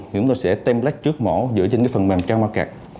chúng tôi sẽ template trước mổ dựa trên phần mềm trang mạc